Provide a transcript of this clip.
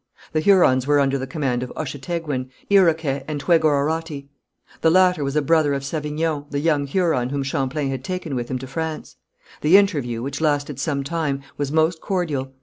The Hurons were under the command of Ochateguin, Iroquet and Tregouaroti. The latter was a brother of Savignon, the young Huron whom Champlain had taken with him to France. The interview, which lasted some time, was most cordial.